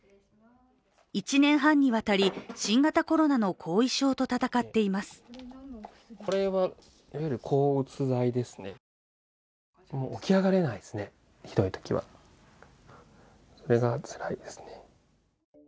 １年半にわたり新型コロナの後遺症と闘っています。